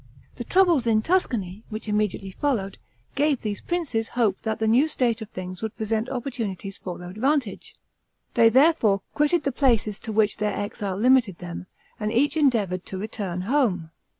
The troubles in Tuscany, which immediately followed, gave these princes hope that the new state of things would present opportunities for their advantage; they therefore quitted the places to which their exile limited them, and each endeavored to return home.